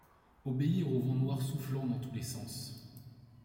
Obéir au vent noir soufflant dans tous les sens !